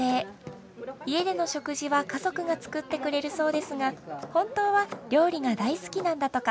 家での食事は家族が作ってくれるそうですが本当は料理が大好きなんだとか。